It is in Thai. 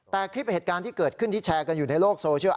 แต่คลิปเหตุการณ์ที่เกิดขึ้นที่แชร์กันอยู่ในโลกโซเชียล